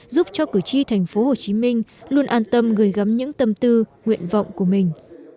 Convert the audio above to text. giúp cho cử tri thành phố hồ chí minh luôn an tâm gửi gắm những tâm tư nguyện vọng của mình